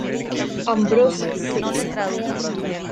Ambrose St.